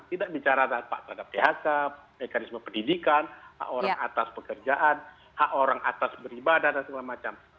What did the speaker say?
tidak bicara terhadap phk mekanisme pendidikan hak orang atas pekerjaan hak orang atas beribadah dan segala macam